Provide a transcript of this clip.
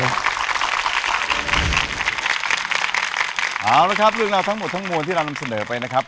เอาละครับเรื่องราวทั้งหมดทั้งมวลที่เรานำเสนอไปนะครับ